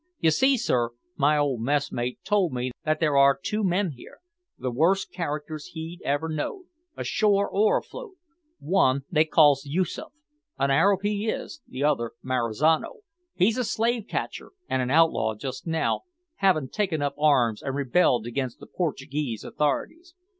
You see, sir, my old messmate told me that there are two men here, the worst characters he ever know'd ashore or afloat. One they calls Yoosoof an Arab he is; the other Marizano he's a slave catcher, and an outlaw just now, havin' taken up arms and rebelled against the Portuguese authorities.